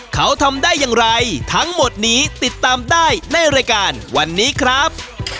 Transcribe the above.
เขาทำได้อย่างไรทั้งหมดนี้ติดตามได้ในรายการวันนี้ครับ